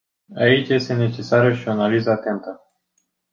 Aici este necesară și o analiză atentă.